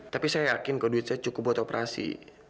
tapi saya yakin kalau duit saya cukup buat operasi